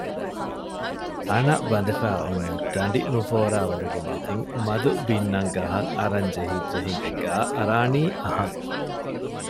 އަނަ ބަނދެފައި އޮންނަ ދަނޑި ނުފޯރާވަރުގެ މަތިން މަދު ބިންނަން ގަހަށް އަރަށް ޖެހިއްޖެ ހިނދެއްގައި އަރާނީ އަހަން